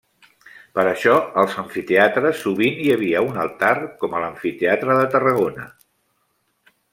Per això als amfiteatres sovint hi havia un altar, com a l'amfiteatre de Tarragona.